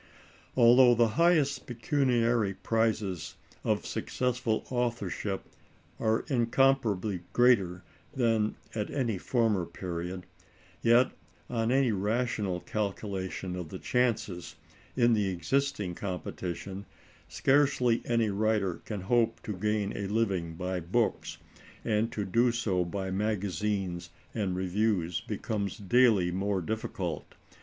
Although the highest pecuniary prizes of successful authorship are incomparably greater than at any former period, yet on any rational calculation of the chances, in the existing competition, scarcely any writer can hope to gain a living by books, and to do so by magazines and reviews becomes daily more difficult.